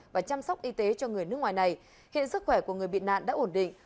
và chăm sóc y tế cho người nước ngoài này hiện sức khỏe của người bị nạn đã ổn định